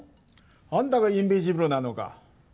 あんたがインビジブルなのか？